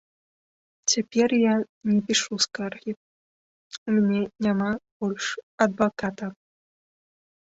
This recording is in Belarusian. Цяпер я не пішу скаргі, у мяне няма больш адваката.